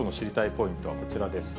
ポイントはこちらです。